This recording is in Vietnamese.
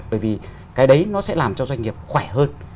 bởi vì cái đấy nó sẽ làm cho doanh nghiệp khỏe hơn